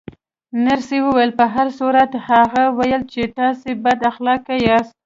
نرسې وویل: په هر صورت، هغې ویل چې تاسې بد اخلاقه یاست.